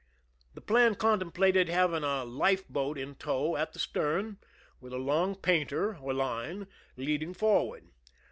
The plan contemplated having a life boat in tow at the stern, with a long painter, or line, leading forward.